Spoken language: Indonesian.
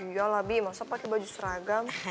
yalah bibi masa pakai baju seragam